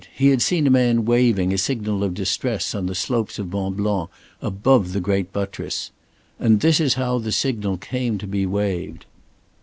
He had seen a man waving a signal of distress on the slopes of Mont Blanc above the great buttress. And this is how the signal came to be waved.